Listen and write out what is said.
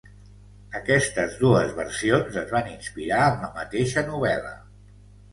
Aquestes dues versions es van inspirar en la mateixa novel·la.